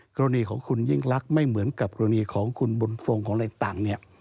กรณีของคุณยิ่งลักษณ์ไม่เหมือนกับกรณีของคุณบุญทรงของอะไรต่างเนี่ย